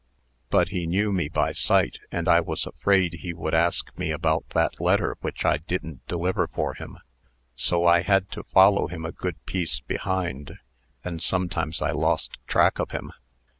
But he knew me by sight, and I was afraid he would ask me about that letter which I didn't deliver for him. So I had to follow him a good piece behind; and sometimes I lost track of him.